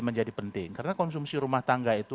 menjadi penting karena konsumsi rumah tangga itu